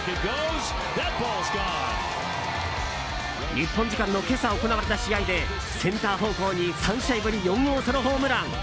日本時間の今朝行われた試合でセンター方向に３試合ぶり４号ソロホームラン。